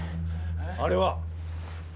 あれは？